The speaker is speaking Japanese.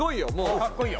かっこいいよ。